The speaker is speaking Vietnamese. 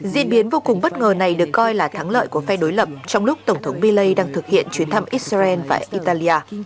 diễn biến vô cùng bất ngờ này được coi là thắng lợi của phe đối lập trong lúc tổng thống millet đang thực hiện chuyến thăm israel và italia